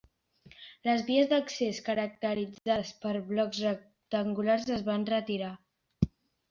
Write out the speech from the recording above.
Les vies d"accés, caracteritzades per blocs rectangulars, es van retirar.